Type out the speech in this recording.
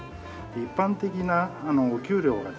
一般的なお給料がですね